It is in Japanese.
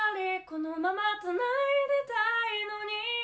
「このまま繋いでたいのに」